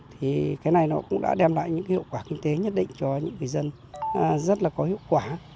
thì cái này nó cũng đã đem lại những hiệu quả kinh tế nhất định cho những người dân rất là có hiệu quả